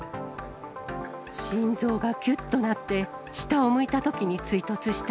心臓がきゅっとなって、下を向いたときに追突した。